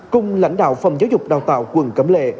cùng lãnh đạo phòng giáo dục đào tạo quận cẩm lệ